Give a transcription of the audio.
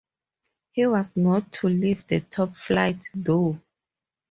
He was not to leave the top flight, though.